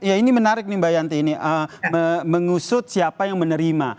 ya ini menarik nih mbak yanti ini mengusut siapa yang menerima